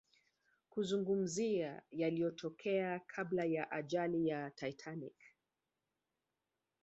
kuzungumzia yaliyotokea kabla ya ajali ya Titanic